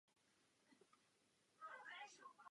Osadou protéká stejnojmenný potok.